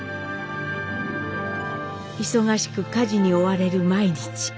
忙しく家事に追われる毎日。